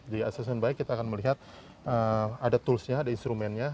jadi assessment yang baik kita akan melihat ada tools nya ada instrumennya